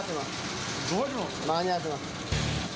間に合わせます。